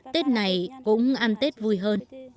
tết này cũng ăn tết vui hơn